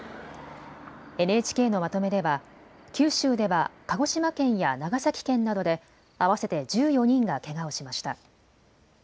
ＮＨＫのまとめでは九州では鹿児島県や長崎県などで合わせて１４人がけがをしました。